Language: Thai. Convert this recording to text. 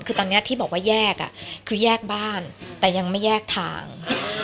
คือตอนนี้ที่บอกว่าแยกคือแยกบ้านแต่ยังไม่แยกทาง